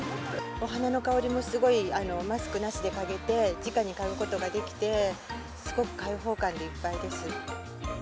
お花の香りもすごい、マスクなしで嗅げて、じかに嗅ぐことができて、すごく開放感でいっぱいです。